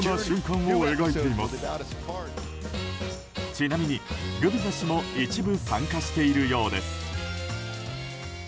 ちなみにグビザ氏も一部、参加しているようです。